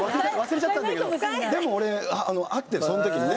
でも俺会ってるその時にね。